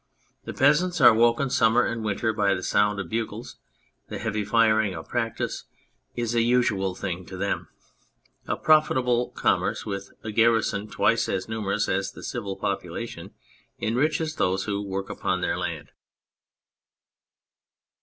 The peasants are woken summer and winter by the sound of bugles ; the heavy firing of practice is a usual thing to them ; a profitable commerce witli a garrison twice as numerous as the civil population enriches those who work upon their land.